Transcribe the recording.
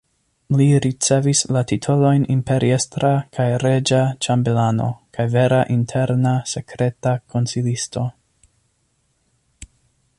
Li ricevis la titolojn imperiestra kaj reĝa ĉambelano kaj vera interna sekreta konsilisto.